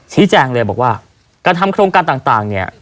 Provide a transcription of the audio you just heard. ชี้แจงเลยบอกว่าการทำโครงการต่างเนี่ย